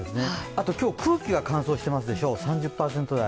あと今日、空気が乾燥していますでしょう、３０％台。